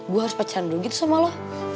gue harus pacaran dulu gitu sama lo